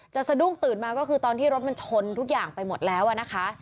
สะดุ้งตื่นมาก็คือตอนที่รถมันชนทุกอย่างไปหมดแล้วนะคะ